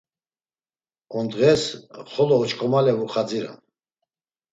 Ondğes, xolo oç̌ǩomale vuxadziram.